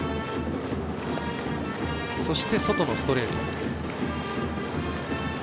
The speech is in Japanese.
そして、外のストレート。